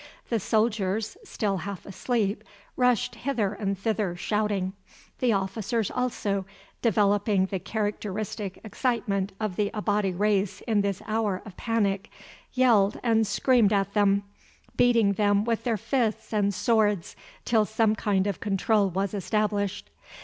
The soldiers still half asleep, rushed hither and thither shouting. The officers also, developing the characteristic excitement of the Abati race in this hour of panic, yelled and screamed at them, beating them with their fists and swords till some kind of control was established.